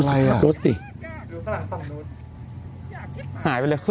อะไรอ่ะ